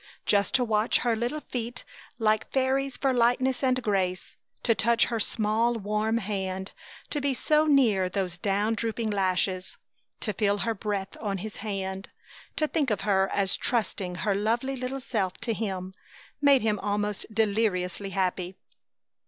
Just to watch her little feet like fairies for lightness and grace; to touch her small, warm hand; to be so near those down drooping lashes; to feel her breath on his hand; to think of her as trusting her lovely little self to him made him almost deliriously happy.